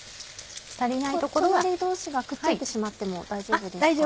隣同士がくっついてしまっても大丈夫ですか？